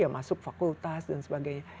masuk fakultas dan sebagainya